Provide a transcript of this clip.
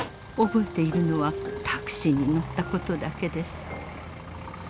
覚えているのはタクシーに乗ったことだけです。